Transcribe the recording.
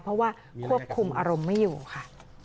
เพราะว่าควบคุมอารมณ์ไม่อยู่ค่ะ